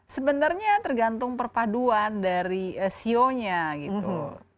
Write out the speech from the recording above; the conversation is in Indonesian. sebenarnya tergantung perpaduan dari siok yang mana yang buruk